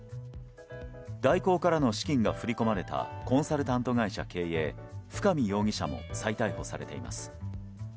大広からの資金が振り込まれたコンサルタント会社経営深見容疑者も再逮捕されています。